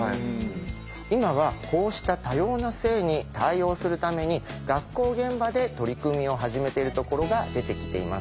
今はこうした多様な性に対応するために学校現場で取り組みを始めてるところが出てきています。